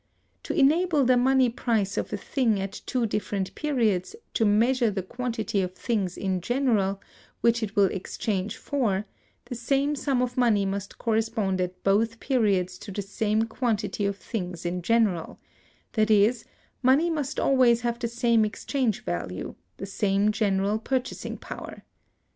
To enable the money price of a thing at two different periods to measure the quantity of things in general which it will exchange for, the same sum of money must correspond at both periods to the same quantity of things in general—that is, money must always have the same exchange value, the same general purchasing power.